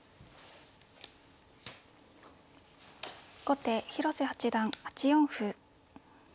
後手広瀬八段８四歩。